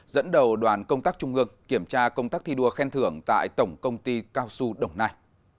dẫn đầu đoàn công tác trung ương kiểm tra công tác thi đua khen thưởng tại tổng công ty cao su đồng nai